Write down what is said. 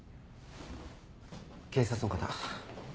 警察の方。